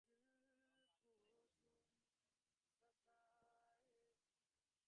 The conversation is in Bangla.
নৌকা আনিতে যে বিলম্ব হইয়াছিল, ভর্ৎসনা করিতে তাহার তিন গুণ বিলম্ব হইল।